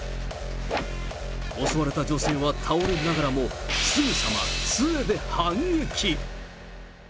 襲われた女性は倒れながらも、すぐさまつえで反撃。